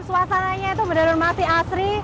suasananya itu benar benar masih asri